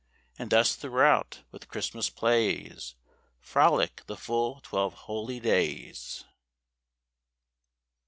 And thus throughout, with Christmas plays, Frolic the full twelve holy days.